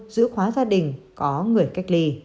giữ khóa gia đình có người cách ly